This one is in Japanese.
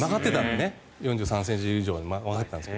４３ｃｍ以上曲がっていたんですよ。